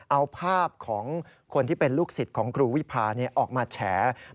เอาภาพของคนที่เป็นลูกศิษย์ของครูวิพาออกมาแฉ